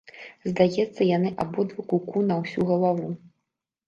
Здаецца, яны абодва ку-ку на ўсю галаву.